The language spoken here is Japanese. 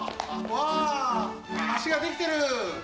わ橋ができてる！